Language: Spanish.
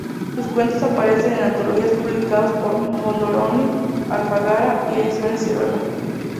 Sus cuentos aparecen en antologías publicadas por Mondadori, Alfaguara y Ediciones Siruela.